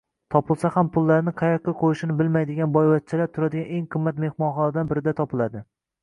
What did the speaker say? Topilsa ham pullarini qayoqqa qo`yishni bilmaydigan boyvachchalar turadigan eng qimmat mehmonxonalardan birida topiladi